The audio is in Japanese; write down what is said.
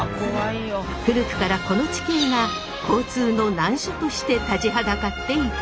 古くからこの地形が交通の難所として立ちはだかっていたのです。